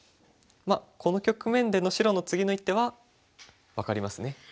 この局面での白の次の一手は分かりますね。